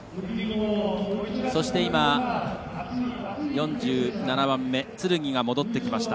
そして、４７番目のつるぎが戻ってきました。